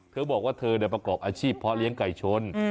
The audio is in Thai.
เธอบอกว่าเธอประกอบอาชีพเพาะเลี้ยงไก่ชน